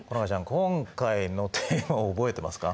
今回のテーマを覚えてますか？